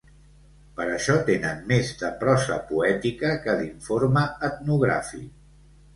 Per això tenen més de prosa poètica que d'informe etnogràfic.